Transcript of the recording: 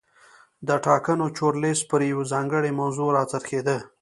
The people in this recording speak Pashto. د ټاکنو چورلیز پر یوې ځانګړې موضوع را څرخېده.